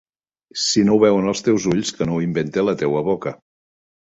Si no ho veuen els teus ulls, que no ho invente la teua boca.